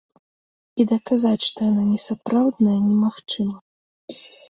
І даказаць, што яна несапраўдная, немагчыма.